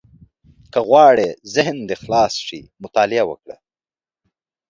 • که غواړې ذهن دې خلاص شي، مطالعه وکړه.